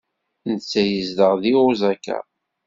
Netta yezdeɣ deg Osaka.